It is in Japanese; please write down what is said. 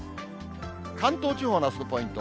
関東地方のあすのポイント。